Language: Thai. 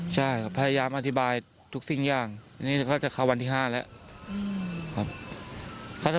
ใช่พยายามอธิบายทุกสิ่งอย่างนี้เขาจะเข้าวันที่๕แล้ว